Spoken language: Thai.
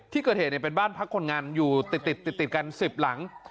ที่เกิดเหตุเป็นบ้านพักคนงานอยู่ติดกัน๑๐หลัง